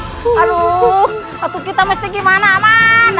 tidak kita harus gimana amin